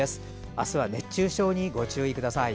明日は熱中症にご注意ください。